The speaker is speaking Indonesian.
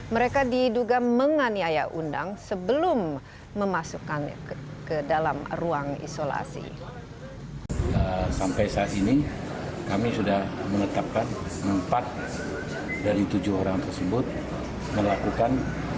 mereka diduga menganiaya undang sebelum memasukkan